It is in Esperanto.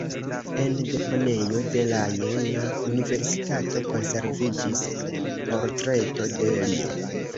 En deponejo de la Jena-universitato konserviĝis portreto de li.